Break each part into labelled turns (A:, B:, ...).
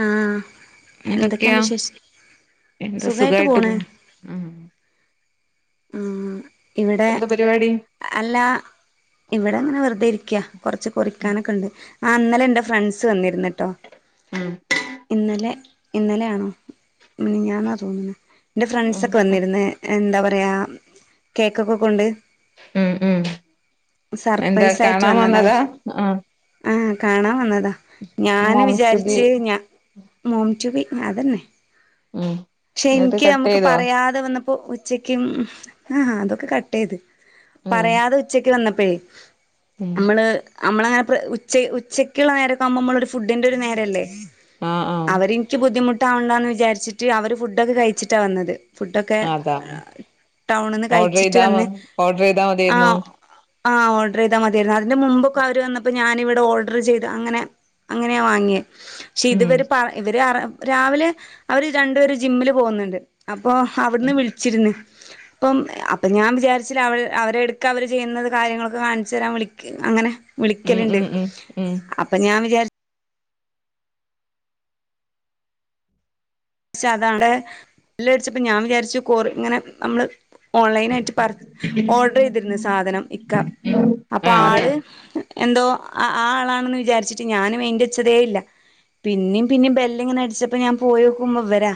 A: ആ
B: എന്തൊക്കെയാ എന്താ സുഖായിട്ട് പോണ് മ്മ്
A: ഉംമ് ഇവിടെ അല്ലാ ഇവിടെങ്ങനെ വെറുതെ ഇരിക്ക്യ കുറച്ച് കുറിക്കാനൊക്കെണ്ട് ആ ഇന്നലെ എന്റെ ഫ്രണ്ട്സ് വന്നിരുന്നിട്ടോ അ
B: ഉം
A: ഹ ഇന്നലെ ഇന്നലെയാണോ മിനിഞ്ഞാന്ന തോന്ന്ണെ എന്റെ ഫ്രണ്ട്സ്ക്കെ വന്നിരിന്ന് എന്താ ഉ പറയാം കേക്കൊക്കെകൊണ്ട്
B: മ്മ് മ്മ് എന്താ
A: സർപ്രൈസ് ആയിട്ട്
B: കാണാൻ വന്നതാ ആ
A: ആ കാണാൻ വന്ന ഞാന്
B: മംചുബി
A: വിചാരിച്ച് ഞ മോം റ്റു ബി മ്മ് അതന്നെ
B: ഉം
A: പക്ഷെ
B: എന്നിട്ട്
A: ഇനിക്ക്
B: കട്ട്
A: നമുക്ക്
B: ചെയ്തോ
A: പറയാതെ വന്നപ്പോ ഒ ഉച്ചയ്ക്കും ആ ഹാ അതൊക്കെ കട്ടയ്തു ച്ച
B: ഉം
A: പറയാതെ ഉച്ചയ്ക്ക് വന്ന പ്പെയ്
B: ഉം
A: നമ്മള് അമ്മളങ്ങ പ്ര ഉച്ച ഉച്ചക്കുള്ള നേരക്കവുമ്പോൾ മ്മളെ ഒരു ഫുഡിന്റൊരു നേരല്ലേ
B: ആ ആ
A: അവരെനിക്ക് ബുദ്ധിമുട്ടാവണ്ട എന്ന് വിചാരിച്ചിട്ട് അവര് ഫുഡൊക്കെ കഴിച്ചിട്ടാ വന്നത് ഫു
B: അതാ
A: കഴിച്ചിട്ട്
B: ഓർഡറൈതാ മ ഓർഡറൈതാ മതിയാരുന്നു
A: ആ ഓർഡറൈതാ മതി പെരുന്നാളിന്ന് മുൻമ്പോക്കെ അവര് വന്ന പ്പ ഞാനിവിടെ ഓർഡർ ചെയ്ത് അങ്ങനെ അങ്ങനെയാ വാങ്ങിയെ പ്പെ ക്ഷെ
B: ഉം
A: ഇതിവര് പറ ഇവര് അറെ രാവിലെ ഹെ അവര് രണ്ടുപേരും ജിമ്മില് പോകുന്നുണ്ട് അം ജിം പ്പോ അവിട്ന്ന് വിളിച്ചിരുന്ന് പ്പോ അപ്പം അപ്പൊ ഞാൻ വിചാരിച്ചില്ല അവ അവരെ എടുക്കവര് ചെയ്യുന്നത് കാര്യങ്ങളൊക്കെ കാണിച്ചു തരാൻ വിളിക്കി അങ്ങനെ വിളിക്കല്ണ്ട് ഉം അപ്പൊ ഞാൻ വിചാരി പക്ഷെ അതാനല്ലേ ബെല്ലടിച്ചപ്പോ ഞാൻ വിചാരിച്ചു കൊറി ഇങ്ങനെ നമ്മള് ഓൺലൈനായിട്ട് പർ ഓർഡറൈ തിരുന്നു സാധനം ഇക്ക അപ്പൊ
B: ആ
A: ആള് എന്തോ അ ആളാണെന്ന് വിചാരിച്ചിട്ട് ഞാൻ മൈയിന്റച്ചതേ ഇല്ല പിന്നിം പിന്നിം ബെല്ല്ങ്ങനെ അടിച്ചപ്പോ ഞാൻ പോയോ നോക്കുമ്പോ വരാ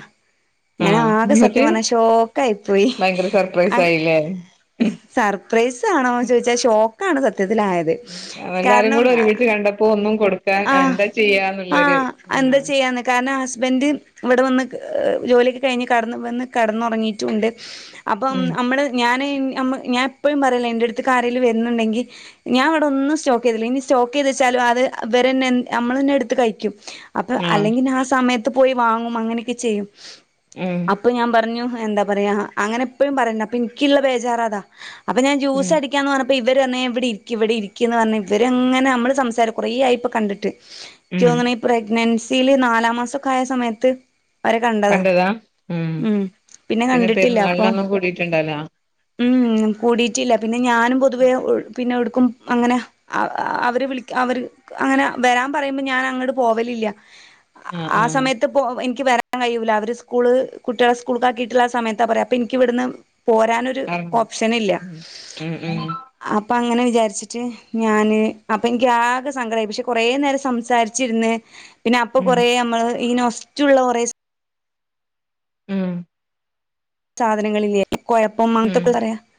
B: ആ
A: ഞാൻ ആകെ
B: എന്നിട്ട്
A: സത്യം പറഞ്ഞാ ഷോക്ക് ആയി പോയി
B: ഭയങ്കര സർപ്രൈസ്
A: അങ്ങ
B: ആയില്ലേ
A: സർപ്രൈസ് ആണോന്ന് ചോദിച്ചാ ഷോക്ക് അത് സത്യ
B: എല്ലാരും കൂടെ ഒരുമിച്ച് കണ്ടപ്പോ ഒന്നും കൊടുക്കാൻ
A: ആഹ്
B: എന്താ ചെയ്യാന്നുള്ളോരു
A: ആഹ്
B: ഇതു
A: എന്താ
B: കാണും
A: ചെയ്യാന്ന് കാരണം ഹസ്ബൻഡ് ഇവിടെ വന്ന് ക് ജോലിയൊക്കെ കഴിഞ്ഞ് കടന്ന് വന്ന് കടന്നുറങ്ങിയിട്ടുമുണ്ട് അപ്പം
B: ഉം
A: അമ്മള് ഞാന് ഞമ്മ ഞാൻ എപ്പഴും പറയില്ലേ എൻ്റടുത്തേക്ക് ആരെലും വരുന്നൊണ്ടങ്കിൽ ഞാൻ വിടെ ഒന്നും സ്റ്റോക്ക് ചെയ്തില്ല ഇനി സ്റ്റോക്ക് ചെയ്ത് വെച്ചാലും അത് അവരെന്നെ നമ്മൾ തന്നെ എടുത്ത് കഴിക്കും അപ്പൊ അല്ലെങ്കിൽ ആ സമയത്ത് പോയി വാങ്ങും അങ്ങനെയൊക്കെ ചെയ്യും
B: ഉം
A: അപ്പൊ ഞാൻ പറഞ്ഞു എന്താ പറയാ അങ്ങനെ എപ്പഴും പറയന്നാ അപ്പം എനിക്കൊള്ള ബേജാറതാ അപ്പം ഞാൻ
B: ഉം
A: ജ്യൂസ് അടിക്കാന്ന് പറഞ്ഞ ഇപ്പോ ഇവര് ആന്നേ ഇവിടെ ഇരിയ്ക്ക് ഇവിടെ ഇരിയ്ക്ക് എന്ന് പറഞ്ഞ് ഇവരങ്ങനെ നമ്മള് സംസാരം കൊറെ ആയി ഇപ്പം കണ്ടിട്ട്
B: ഉം
A: എനിക്ക്തോന്നണ ഈപ്രഗ്നൻസി സീല് നാലാ മാസായ സമയത്ത്
B: കണ്ടതാ ഉം പിന്നെ പെരുന്നാളിലൊന്നും കൂടിട്ടുണ്ടാലോ
A: ഉം കൂടിയിട്ടില്ല പിന്നെ ഞാനും പൊതുവേ പിന്നെ എടുക്കും അങ്ങനെ അവര് വിളി അവർ അങ്ങനെ വരാൻ പറയുമ്പോ ഞാൻ അങ്ങട്പോവലില്ല
B: ആഹ ആഹ
A: എനിക്ക് വരാൻ കഴിയൂല്ല അവര് സ്കൂള് കുട്ടികളെ സ്കൂൾക്ക് ആക്കിയിട്ടുള്ള ആ സമയത്താ പറയാ അപ്പൊ നിക്ക് ഇവിടുന്ന് പോരാനൊരു
B: കറങ്ങും
A: ഓപ്ഷനില്ല
B: ഉം ഉം
A: അപ്പ അങ്ങനെ വിചാരിച്ചിട്ട് ഞാന് അപ്പനിക്ക് ആകെ സങ്കടായി പക്ഷെ കൊറേ നേരം സംസാരിച്ചിര്ന്ന് പിന്നെ അപ്പൊ
B: ഉം ഉം
A: കൊറേ അമ്മള് ഈ മറ്റുള്ള കുറേ
B: ഉം
A: സാധനങ്ങളില കുഴപ്പം [unintelligible]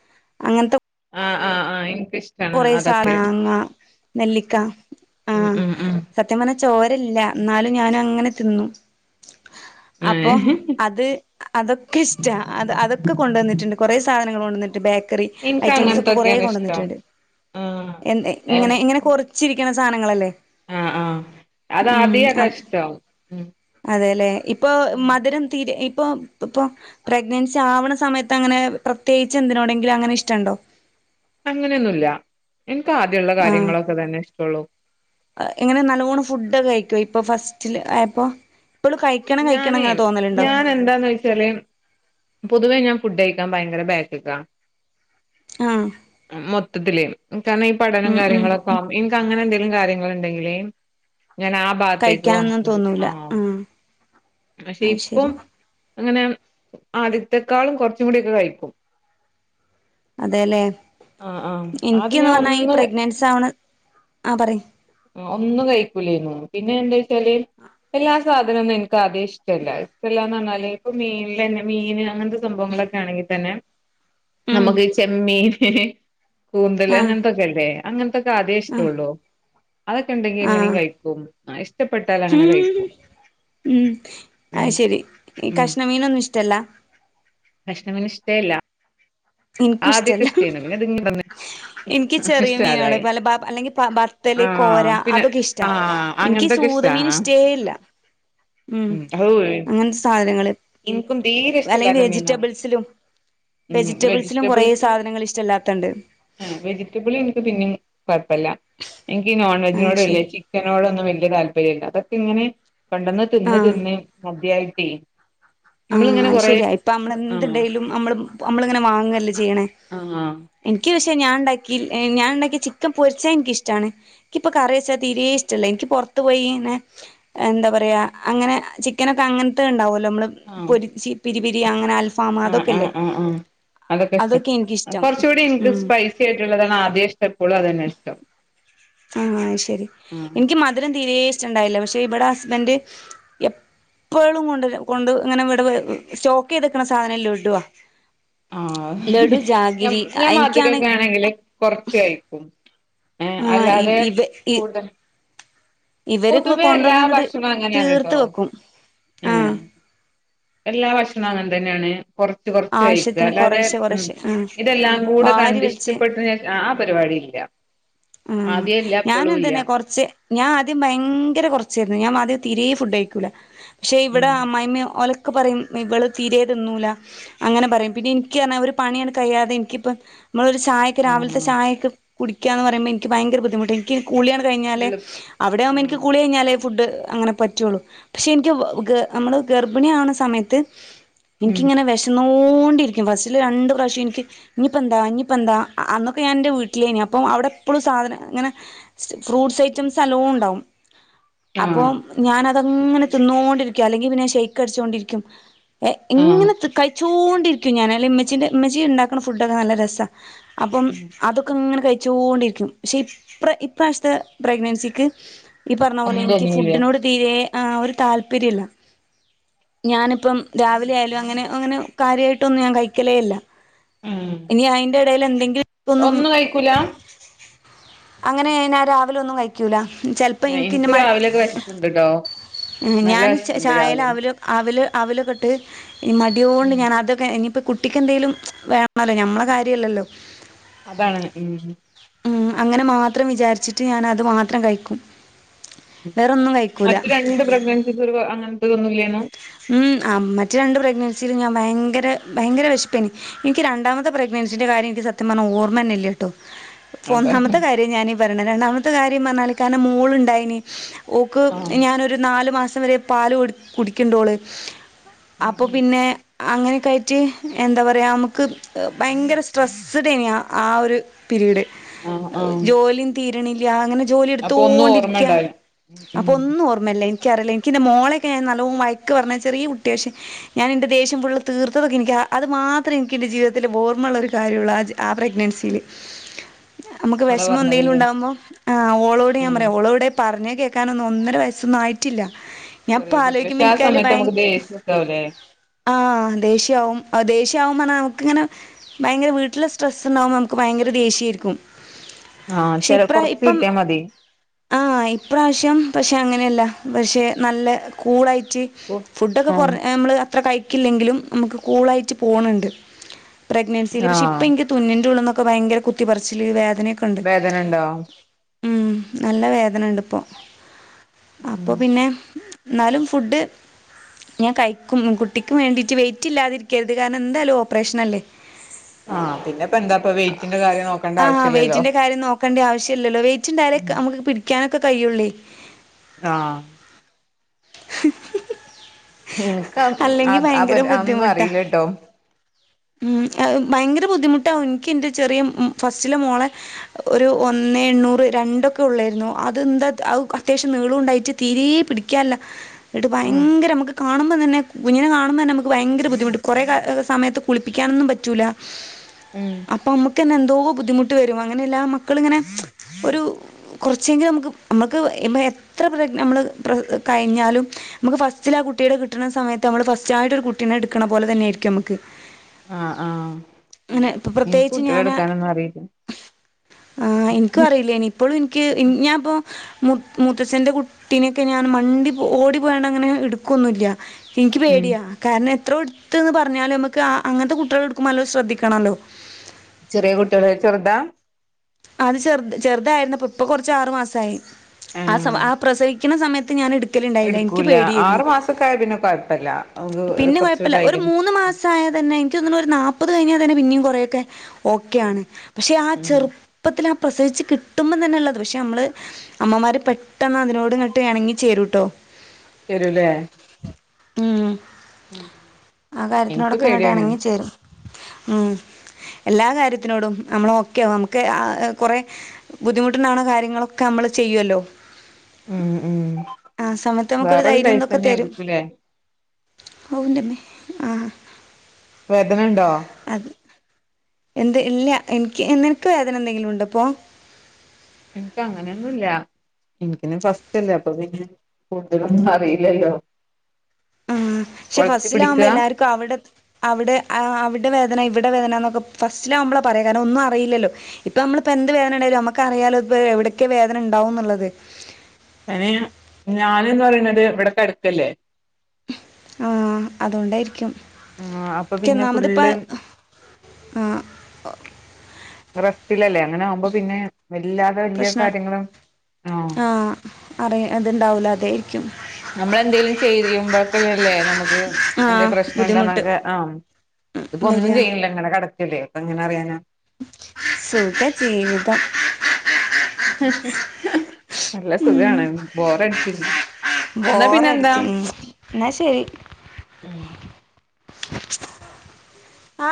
A: അങ്ങനത്തെ
B: ആ ആ ആ
A: കുറെ സാധനങ്ങ മാങ്ങ നെല്ലിക്ക ആ
B: ഉം ഉം ഉം
A: സത്യം പറഞ്ഞ ചോരല്ല ന്നാലും ഞാൻ അങ്ങനെ തിന്നു
B: ഏഹ്
A: അപ്പോഅത് അതൊക്കെ ഇഷ്ട അത് അതൊക്കെ കൊണ്ടുവന്നിട്ടുണ്ട് കൊറെ സാധനങ്ങ കൊണ്ടുവന്നിട്ട്ബേക്ക ക്കറി
B: എനിക്ക്
A: ഐറ്റംസ് ഒക്കെ കുറ
B: അങ്ങനത്തൊക്കെയാണ് ഇഷ്ടം
A: കൊണ്ടുവന്നിട്ടുണ്ട്
B: ആഹ്
A: എന്ത് എ ഇങ്ങനെ ഇങ്ങനെ കൊറ്ച്ചിരി രിക്കണസാധനങ്ങളല്ലേ
B: ആ ആ അതാ ആതി അതാ
A: അത്
B: ഇഷ്ടം
A: അതെല്ലേ ഇപ്പൊ
B: ഉം
A: മധ്‌രം തീരെ ഇപ്പൊ പ്പൊ പ്രഗ്നൻസി ആവ്ണ സമയത്തങ്ങനെ പ്രത്യേകിച്ച് എന്തിനോടെങ്കിലും അങ്ങനെ ഇഷ്ടണ്ടോ
B: അങ്ങനെയൊന്നുല്ല എനിക്ക് ആദ്യള്ള
A: ആ
B: കാര്യങ്ങളൊക്കെ തന്നെ ഇഷ്ടള്ളൂ
A: എങ്ങനെ നല്ലോണം ഫുഡാെക്കെകഴിക്കാേ ഇപ്പൊ ഫസ് റ്റില് ആയപ്പൊ
B: ഞാനേ ഞാൻ എന്താന്ന് വെച്ചാല് പൊതുവേ ഞാൻ ഫുഡ് കയ്ക്കാൻ ഭയങ്കര ബേക്ക്ക്കാ
A: ആഹ്
B: അ മൊത്തത്തില് കാരണം ഈ പഠനം
A: ഉം ഉം
B: കാര്യങ്ങളൊക്കാവും ൻക്ക് അങ്ങനെ എന്തെങ്കിലും കാര്യങ്ങള ഉണ്ടെങ്കില് ഉ ഞാൻ ആ ഭാഗത്തേക്ക്
A: കഴിക്കാനൊന്നും
B: കൊറ്ച്ച
A: തോന്നൂല
B: ആആ
A: ആഹ്
B: പക്ഷെ
A: അത്
B: ഇപ്പം
A: ശരി
B: അങ്ങനെ ആദ്യത്തെക്കാളും കൊർച്ചും കൂടി ഒക്കെ കഴിക്കും
A: അതേല്ലേ
B: ആഹ് ആഹ് ആദ്യം
A: ൻക്ക്ന്ന്
B: ഞാൻ
A: പറഞ്ഞാ ഈ
B: ഒന്നും
A: പ്രഗ്നൻസാവണ് ആ പറയ്
B: അ ഒന്നും കഴിക്കൂലേന്നു പിന്നെ എന്തെച്ചാല് എല്ലാ സാധനം ന്നെ ക്കാദ്യേ ഇഷ്ടല്ല ഇഷ്ടല്ലാന്ന്ർഞ്ഞാൽ ഏ ഇപ്പ മീൻലെന്നെ മീന് അങ്ങൻത്തെ സംഭവങ്ങളൊക്കെ ആണെങ്കി തന്നെ
A: ഉം
B: നമക്ക് ചെമ്മീൻ എ ഹേ കൂന്തല്
A: ആഹ്
B: അങ്ങൻത്തൊക്കെല്ലേ അങ്ങൻ ത്തെക്കെ
A: ആഹ്
B: ആദ്യേഷ്ടാെള്ളു അതൊക്കെണ്ടെങ്കി എങ്ങനിം
A: ആഹ്
B: കഴിക്കും അ ഇഷ്ടപ്പെട്ടാൽ അങ്ങനെ കഴിക്കും
A: ഉം
B: ഉം ഉം
A: ഷ്ടല്ല
B: കഷ്ണമീന് ഇഷ്ടേല്ല
A: ൻക്കും
B: ആദ്യൊക്കെ
A: ഇഷ്ടല്ല
B: ഇഷ്ടായിരുന്നു പിന്നെ അതിങ്ങനെ വന്ന്
A: എൻക്ക് ചെറിയ മീനാണ്
B: ഇഷ്ടല്ലാതായി
A: ബ അല്ലെങ്കിൽ ബത്തല് കോര
B: ആഹ് പിന്നെ
A: അതൊക്കെ ഇഷ്ടാ
B: ആഹ്
A: എൻക്കീ
B: അങ്ങനത്തൊക്കെ
A: സൂത
B: ഇഷ്ടാ
A: മീന്
B: ആഹ്
A: ഇഷ്ടേല്ല ഉം അങ്ങൻത്തെ സാധനങ്ങള്
B: ഇൻക്കും തീരെ
A: അല്ലെങ്കിൽ
B: ഇഷ്ടല്ലാത്ത മീനാണ്
A: വെജിറ്റബിൾസിലും വെജ്
B: ജ്റ്റബിൾസ് ല് എ വെജിറ്റബിൾല് ൻക്ക് പിന്നിം കുഴപ്പില്ല എനിക്ക് നോൺ
A: ആ
B: വെജോട ഇല്ല
A: ശരി
B: ചിക്കനോ ഒന്ന വിയ തല്പര്ം അതൊക്കെ ഇങ്ങനെ പെണ്ടെന്ന് തിന്ന് തിന്ന് മദ്യയായിട്ടേ
A: ആഹ ശരിയാ ഇപ്പ നമ്മള
B: ആഹ്
A: എന്ണ്ടെലും നമ്മള് നമ്മളിങ്ങനെ വാങ്ങല്ലേ ചെയ്യണേ
B: ആഹ
A: എനിക്ക് പക്ഷെ ഞാൻ ഉണ്ടാക്കി ഞാനൻണ്ടാക്കി ചിക്കൻ പൊരിച്ചാ എനിിക്കിഷ്ടമാണ് എനിിക്കിപ്പ കറി വെച്ചാൽ തീരെേ ഇഷ്ടല്ലേ എനിക്ക് പുറത്ത് പോയിന്ന എന്താ പറയാ അങ്ങനെ ചിക്കനൊക്കെ അങ്ങനത്തെ ഉണ്ടാവല്ലോ നമ്മള് പൊ പിരി ബരി അങ്ങനെ അൽഫാമ
B: ആ ആ
A: അതൊക്കെല്ലേ
B: ആ ആ അതൊക്കെ ഇഷ്ടം കുറച്ചുകൂടി നിനിക്ക്
A: ഉം
B: സ്പൈസി ആയിട്ടുള്ളതാണ് ആദ്യം ഇഷ്ടപ്പോൾും അതന്നെ ഇഷ്ടം
A: ആഹ ശരി
B: ആഹ്
A: എനിക്ക് മധുരം തീരശ ണ്ടായില്ല പക്ഷെ ഇവിടെ ഹസ്ബൻഡറ് പക്ഷേ ഇവിടെ ഹസ്ബൻ്റ്എപ്പോഴും കൊ കൊണ്ട് ഇങ്ങനെ ഇടെ സ്റ്റോക്ക് ചെയ്തക്കണ സാധനം ലടുവാ
B: ആഹ ഞാൻ
A: എനിക്കാണെ
B: മധുരൊക്കെ ആണെങ്കില് കൊറച്ച് കഴിക്കൊള്ളു
A: ആഹ ഇ ഇ ഇവരക്ക
B: പൊതുവെ എല്ലാ
A: കൊണ്ടുവന്ന ത്
B: ഭക്ഷണവും അങ്ങനെയാണ്
A: തീർത്ത്
B: ട്ടോ
A: വെക്കും ആഹ
B: ഏഹ് എല്ലാ ഭക്ഷണം അങ്ങനെ തന്നെയാണ് കുറച്ച് കൊറച്ച് കഴക്ക്
A: ആവശ്യത്തിന്
B: അല്ലാതെ
A: കൊറേശ്ശെ
B: ഉ
A: കൊറേശ്ശെ ആഹ്
B: ഇതെല്ലാം കൂടെ
A: വാരി
B: കണ്ട് ഇഷ്ടപ്പെട്ട് ഞാ ആ പരിപാടി ഇല്ല
A: ഉ
B: ആദ്യേ ഇല്ല
A: ഞാന
B: ഇപ്പളും ഇല്ല
A: എന്തന്നെ കൊറച്ച് ഞാൻ ആദ്യം ഭയങ്കര കുറച്ച ഞാൻ ആദ്യം തീരെ ഫുഡ് ഴിക്കൂല പക്ഷേ ഇവിടെ
B: ഉം
A: അ്മായിമ്മയും ഓല ക്കെ പറയും ഇവള് തീരയതൊന്നൂല അങ്ങനെ പറയും പിന്നെ എനിക്ക്ാ ഒരു പണിയാണ് കഴിയാതെ എനിക്കിപ്പ നമ്മള ഒരു ചായക്ക് രാവിലത്തെ
B: ആഹ്
A: ചായക്ക് കുടിക്കാന്ന് പറഞ്ഞ പറുമ എനിക്ക് ഭയര ബുധിമുട്ട എനിക്ക് കൂളിയാണ് കഴിഞ്ഞാലല്
B: ഫുള്ള്
A: അവിടെയാവുമ്പോ എനിക്ക്
B: ആഹ്
A: കൂളി കഴിഞ്ഞാലേ ഫുഡ് അങ്ങനെ പറ്റുള്ളു പക്ഷെ എനിക്ക് നമ്മള് ഗർഭിണി ആണ സമയത്ത്
B: ഉം
A: എനിക്കിങ്ങനെ വിശന്നോ പോണ്ടയിരിക്കും ഫസ്റ്റില് രണ്ട് പ്രാവശ്യം രന്നോണ്ടിരിക്കും ബസ്സില് രണ്ട് പ്രാവിശ്യംഎനിക്ക് ഇനിപ്പപ്പോന്താ ഇനിയിപ്പോന്തഅന്നൊക്കെ ഞാൻ എൻ്റെ വീട്ടിലാ എൻ്റെ വീട്ടിലേനിയിരുന്നു അവിടെ എപ്പോഴും സാധനം അങ്ങനെ ഫ്രൂട്ട്സ് ഐറ്റംസ് നല്ലോ ണ്ടാാവും
B: ആഹ്
A: അപ്പം ഞൻത് അങനെ തിന്നോണ്ടിരിക്കും അല്ലെങ്കിൽ പിന്നെ ശെയ്ക്ക് അടിച്ചോണ്ടിരിക്കും
B: ആഹ്
A: ഇങ്ങനെ കഴിച്ചു ചൂൊണ്ടിരിക്കും ഞാന ഇമ്മച്ചിന്റെ ഉമ്മച്ചി ഉണ്ടാക്കുന്ന ഫുഡൊക്കെ നല്ല രസാ അപ്പം അതൊക്കങ്ങനെ കഴി ചൂണ്ടി ക്കും പക്ഷ ഇപ്രഇ്രാവശ്യ ത്തെപ്രഗ്നൻസിക്ക് ഈ പറഞ്ഞ പോലെ
B: ഒന്നും
A: എനിക്ക്
B: തോന്നൂല
A: ഫുഡിനോട് തീരെ- ഒരു താല്പര്യമില്ല ഞാനിപ്പം രാവിലെ 'ഒരു താൽപര്യവുല്ല ഞാനിപ്പരാവിലെ ആയാലും അങ്ങനെ അങ്ങനെ കാര്യമായിട്ടൊന്നും ഞാൻ കയിക്കലേയില്ല
B: ഉം
A: ഇനി അയിന്റെ- എന്തെിലും [unintelligible]
B: ഒന്നും കഴിക്കൂല
A: അങ്ങനെ ആയാല് രാവിലെ ഒന്നും കഴിക്കൂല ചിലപ്പോ ഇന്ന
B: എനിക്ക്
A: മഴ
B: രാവിലെയൊക്കെ വെശ്പ്പുണ്ടല്ലോ
A: ഞാൻ ചായ ല് അ വില് അ അവൽ അവലൊക്കെട്ട് ഈ മടിയ കൊണ്ട്
B: ഉം
A: ഞാനതക്കെ ഇനിയിപ്പോം- കുട്ടിക്ക്ന്തേലും വേണല്ലോ ഞമ്മളെ കാര്യല്ലല്ലോ
B: അതാണ് ഉം
A: ഉം അങ്ങനെ മാത്രം വിചാരിച്ചിട്ട് ഞാൻ അത് മാത്രം കഴിക്കും വേറൊന്നും കഴിക്കൂല
B: [unintelligible] അങ്ങനൊന്നുമല്ലനോ
A: ഉം ആ മറ്റ രണ്ട് പ്രഗ്നൻസിയിൽ ഞാൻ ഭയങ്കര ഭയങ്കര വെശപ്പ് എനിക്ക് രണ്ടാമത്തെ പ്രെഗ്നസിന്റയ് കാര്യം എനിക്ക് സത്യം പറഞ്ഞാൽ ഓർമ്മ തന്ന ഇല്ലേ കേട്ടോ
B: അതാ
A: ഒന്നാമത്തെ കാര്യം ഞാനി പറ- രണ്ടാമത്തെ കാര്യം പറഞ്ഞാല് കാരണം മോള് യുണ്ടായിന് ഓക്ക്
B: ആഹ്
A: ഞാനരു നാല് മാസം - വരെ പാല് കൊടു കുടി കിണ്ടോള്
B: ഉം
A: അപ്പൊ
B: ഉം
A: പിന്നെ- അങ്ങനെയൊക്കെ ആയിട്ട് എന്താ പറയുക നമുക്ക് ഭയങ്കര സ്ട്രെസ്സ്ഡ തനെയ ആ ഒരു - പീരിയഡ്
B: ആഹ് ആഹ്
A: ജോലിയും തി- [unintelligible] അങ്ങനെ യെക്കിയ ജോലി
B: അപ്പൊ ഒന്നും ഓർമ്മ
A: എടുത്തോണ്ടിരിക്കയ
B: ഉണ്ടാവില്ല ഉം
A: അപ്പൊ
B: ഉം
A: ഒന്നും ഓർമ്മല്ല എക്കറിയില്ല എനിക്ക്ന്റെ മോളൊക്ക ഞാൻ നല്ലോണം - എക്ക് പറഞ്ഞൽ ചെറിയ കുട്ടിയാ പക്ഷെ ഞാൻ്റെ ദേശ്യം ഫുൾ തീർത്തതൊക്കെ എനിക്ക് അത് മാത്രേ എനി എൻ്റെ ജീവിത്തിലൽ ഓർമ്മയുള്ള ഒരു കാര്യുള്ളൂ ആ- ആ പ്രഗ്നൻസിയിൽ നമുക്ക്
B: മോളെ
A: വിഷമ എന്തെങ്കിലും
B: പറഞ്ഞതില്ലേ
A: ഉണ്ടാകുമ്പോ ആ ഓളോടെ ഞാൻ
B: ആഹ്
A: പറയാം ഓളോടെ പറഞ്ഞ്- കേൾക്കാനൊന്നും ഒന്നര വയസ്സൊന്നും ആയിട്ടില്ല
B: ചെറിയ
A: ഞാനിപ്പം
B: കുട്ടി പക്ഷെ ആ സമയത്ത്
A: ആലോചിക്കുന്നേ
B: നമുക്ക് ദേഷ്യണ്ടാവുല്ലേ
A: ാ ആ ദേഷ്യയാവും ഓ ദേഷ്യ ആകുവും പറഞ്ഞാ നമുക്കിനെ ഭയങ്കര വീട്ടില സ്ടെസ് ഉണ്ടാവുമ്പോൾ നമുക്ക് ഭയങ്കരാ ദേഷ്യയായിരിക്കും
B: ആഹ്
A: പക്ഷെ
B: ചെല
A: ഇപ്ര
B: കൊറച്ച്
A: ഇപ്പം
B: കിട്ടിയാ മതി
A: ആ ഇപ്രാവശ്യം പക്ഷെ അങ്ങനെയല്ല പക്ഷേ നല്ല കൂളായിറ്റ് ഫുഡ് ഒക്കെ കൊറേ
B: ആഹ്
A: നമ്മള് അത്ര കഴി ക്കില്ലെങ്കിലും നമുക്ക് കൂളായിറ്റ് പോണ് ണ്ട്. പ്രഗ്നൻസിയില് പഷെ ഇപ്പ ഇൻക്ക് തുന്നിന്റെ ഉള്ള്ന്നൊ ഇപ്പ ഭയങ്കര കുത്തി പറിച്ചില് വേദ
B: വേദന ഇണ്ടോ?
A: ഉം നല്ല വേദന ഇണ്ട് ഇപ്പം അപ്പൊ
B: ഉം
A: പിന്നെ ന്നാലും ഫുഡ് ഞാൻ കയ്ക്കും കുട്ടിക്കും വേണ്ടീട്ട് വെയിറ്റ് ഇല്ലാതിരിക്കര്ത് കാരണം എന്താലു ഓപ്പറേഷനല്ലേ?
B: ആഹ് പിന്നെപ്പ എന്താപ്പ വെയിറ്റിന്റെ കാര്യം നോക്കണ്ട
A: ആ
B: ആവശ്യല്ലല്ലോ
A: വെയിറ്റിന്റെ കാര്യം നോക്കണ്ടി ആവശ്യല്ലല്ലോ വെയിറ്റിണ്ടായേല് നമക്ക് പിടിക്കാനെ ഇൻക്ക് കയ്യൊള്ളി
B: ആ എനിക്ക്
A: അല്ലെങ്കിൽ
B: അയ് അ
A: ഭയങ്കര
B: പരി അതൊന്നു
A: ബുദ്ധിമുട്ടാ
B: അറിയിലട്ടോ
A: ഭയങ്കര ബുദ്ധിമുട്ടാവും എനിക്ക് എൻ്റെ ചെറിയ ഫസ്റ്റിലെ മോളെ ഒരു ഒന്നേ എണ്ണൂറ് രണ്ടൊക്കെ ഉള്ളായിരുന്നു അത് എന്താ അത്യാവശ്യം നീളോം ഉണ്ടായിട്ട് തീരെ പിടിക്കാനില്ല ങ്ങട്ട്
B: ഉം
A: ഭയങ്കര മ്മക്ക് ക കാണുമ്പോൾ തന്നെ കുഞ്ഞിനെ കാണുമ്പോ തന്നെ നമുക്ക് ഭങ്കര ബുദ്ധിമുട്ട് കൊറേ സമയത്ത് നമുക്ക് കുളിപ്പിക്കാനൊന്നും പറ്റൂല്ല
B: ഉം
A: അപ്പൊ നമുക്ക്- ന്നെ എന്തോ ബുദ്ധിമുട്ട് വരും അങ്ങനെ എല്ലാ മക്കളിങ്ങനെ ഒരു കുറച്ചെങ്കിലും നമുക്ക് നമ്മക്ക് ഇപ്പൊ എത്ര നമ്മൾ പ്ര- കഴിഞ്ഞാലും നമുക്ക് ഫസ്റ്റിൽ ആ കുട്ടിയുടെ കിട്ടണ സമയത്ത് നമ്മൾ ഫസ്റ്റ്ലെ ഒരു കുട്ടിനെ എടുക്കണ പോലെ തന്നെയായിരിക്കും നമുക്ക്
B: ആഹ് ആഹ്
A: അങ്ങനെ ഇപ്പൊ
B: ഇൻക്ക്
A: പ്രത്യേകിച്ച്
B: കുട്ട്യാളെ
A: ഞാൻ
B: എടുക്കാനൊന്നും അറിയില്ല
A: ആഹ് എനിക്കും അറിയില്ലേനി ഇപ്പോഴും എനിക്ക് ഞാനപ്പോ- മു മുത്തച്ഛൻന്റെ കുട്ടിനൊക്കെ ഞാ- ആ മണ്ടി ഓടി പോയണ്ട് അങ്ങനെ എടുക്കൊന്നും ഇല്ല എനിക്ക്
B: ഉം
A: പേടിയാ കാരണം ഇത്ര എടുത്ത്ന്ന് പറഞ്ഞാലും നമുക്ക് അങ്ങനത്തെ കുട്ടികളെ എടുക്കുമ്പോൾ നല്ല ശ്രദ്ധിക്കണല്ലോ
B: ചെറിയ കുട്ടികളെ ചെറുതാ
A: അത് ചെറ് ചെറുതായിരുന്നപ്പ ഇപ്പൊ കുറച്ച് ആറ് മാസായി ആ
B: ആഹ്
A: ആ പ്രസവി- ക്കണ സമയത്ത് ഞാൻ എടു-
B: എടുക്കൂല ആറ് മാസക്കായ പിന്നെ കൊഴപ്പില്ല
A: പിന്നെ കൊഴപ്പല്ല ഒരു മൂന്ന് മാസായ തന്നെ ക്ക് തോന്നണ് ഒരു നാപ്പത് കഴിഞ്ഞൽ തന്നെ പിന്നെയും കുറെയൊക്കെ ഓക്കെയാണ് പക്ഷെ ആ
B: ഉം
A: ചെറുപ്പത്തില പ്രസവിച്ച് കിട്ടുമ്പം തന്നെ ഉള്ളത് പക്ഷെ നമ്മള് അമ്മമാര് പെട്ടെന്ന് അതിനോട്ങ്ങിട്ട് ഇണങ്ങി ചേരൂട്ടോ
B: ശരില്ലേ
A: ഉം ആ
B: ഇൻക്ക്
A: കാര്യത്തിനോടൊക്കെ ഇങ്ങോട്ട്
B: പേടിയാണ്
A: ഇണങ്ങി ചേരും ഉം എല്ലാ കാര്യത്തിനോടും നമ്മൾ ഓക്കെയാവും നമുക്ക് കൊറെ ബുദ്ധിമുട്ടുണ്ടാവണ കാര്യങ്ങളൊക്കെ നമ്മള് ചെയ്യുവല്ലോ
B: ഉം ഉം
A: നമുക്കൊരു
B: വേറൊരു [unintelligible] തന്നെയരിക്കൂലേ
A: ഔന്റെമ്മേ ആഹ്
B: വേദന ണ്ടോ
A: എന്ത് ഇല്ല എനിക്ക് നിനക്ക് വേദന എന്തെങ്കിലും ഉണ്ടോ ഇപ്പൊ
B: ഇൻക്ക് അങ്ങനെയൊന്നുംല്ല ഇ നിക്കിന് ഫസ്റ്റ്ല്ലേ അപ്പൊ പിന്നെ കൂടുതലൊന്നും അറിയില്ലല്ലോ
A: ഉം ശേ
B: കൊളത്തി
A: ഫസ്റ്റില ആകുമ്പോ
B: പിടിക്കുക
A: എല്ലാർക്കും അവിടെ അവിടെ വേദന ഇവിടെ വേദന എന്നൊക്കെ ഫസ്റ്റിലാവുബള്ള പറയാം കാരണം ഒന്നും അറില്ലോ ഇപ്പ നമ്മൾിപ്പോ എന്ത് വേദന ഉണ്ടാലോ നമുക്ക അറിയാലോ ഇ എവിടക്കെ വേദന ഉണ്ടാവും എന്നുള്ളത്
B: അന ഞാനന്ന് പറയണത് ഇവിടക്ക കടക്കല്ലേ
A: ആഹ അതൊണ്ടായിരിക്കും
B: ആ അപ്പൊ പിന്നെ ഫുള്ള്
A: ആ
B: റെസ്റ്റിലല്ലേ അങ്ങനെ ആകുമ്പോ പിന്നെ വല്ലാതെ വലിയ
A: പ്രശ്ന
B: കാര്യങ്ങളും ആ
A: അറിയ ഇത്ണ്ടാവൂല അതെ
B: നമ്മൾെന്തെങ്കലും ചെയ്യുമ്പോഴക്കല്ലേ നമുക്ക്
A: ആ
B: എന്തേ
A: ബുദ്ധിമുട്ട്
B: പ്രശ്നണ്ടോന്നൊക്കെ ആഹ് ഇതിപ്പോ ഒന്നും
A: വരിക
B: ചെയ്യില്ല ഇങ്ങനെ കട അല്ലേ അപ്പ ഇങ്ങനെ അറിയാനോ
A: സുഖജീവിതം
B: [unintelligible] നല്ല
A: ഉം
B: സുഖമാണ് ബോറടിച്ചി എന്നാ പിന്നെ എന്താ
A: ബോറടിക്കും എന്നാ
B: ഉ
A: ആ